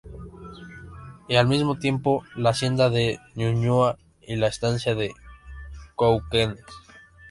Y al mismo tiempo, la hacienda de Ñuñoa y la estancia de Cauquenes.